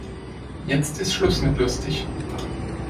Jetzt ist Schluss mit lustig.